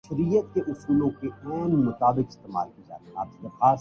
اس خاندان نے ملک کے لیے نہیں اقتدار کے لیے جان دی اس وقت پاکستان کا سب سے امیر خاندان ہے